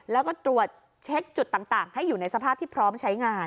แล้วก็ตรวจเช็คจุดต่างให้อยู่ในสภาพที่พร้อมใช้งาน